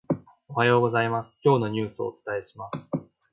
おはようございます、今日のニュースをお伝えします。